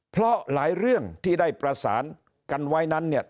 เพราะหลายเรื่องที่ได้ประสานกันไว้นั้นเนี่ย